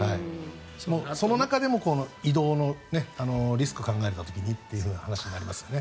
その中でも移動のリスクを考えた時にという話になりますよね。